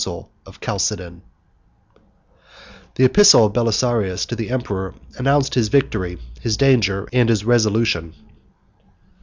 ] The epistle of Belisarius to the emperor announced his victory, his danger, and his resolution.